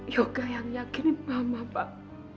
yoga yang yakini mama pak